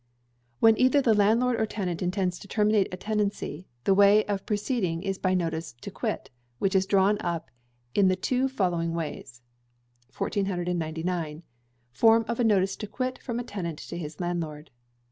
When either the landlord or tenant intends to terminate a tenancy, the way to proceed is by a notice to quit, which is drawn up in the two following ways: 1499. _Form of a Notice to Quit from a Tenant to his Landlord.